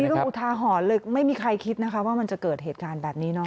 อันนี้ก็มูญท่าหอนเลยไม่มีใครคิดว่ามันจะเกิดเหตุการณ์แบบนี้เนอะ